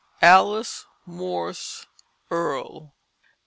_ _ALICE MORSE EARLE.